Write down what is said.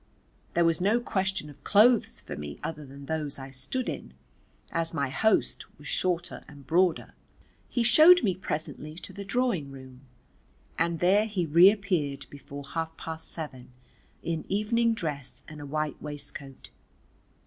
There was no question of clothes for me other than those I stood in, as my host was shorter and broader. He showed me presently to the drawing room and there he reappeared before half past seven in evening dress and a white waistcoat.